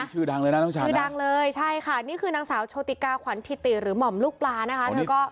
ชื่อดังเลยนะน้องชายชื่อดังเลยใช่ค่ะนี่คือนางสาวโชติกาขวัญถิติหรือหม่อมลูกปลานะคะเธอก็